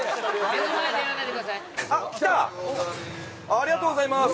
ありがとうございます。